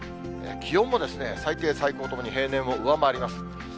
気温も最低、最高ともに平年を上回ります。